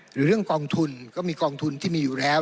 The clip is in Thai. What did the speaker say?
หรือเรื่องกองทุนก็มีกองทุนที่มีอยู่แล้ว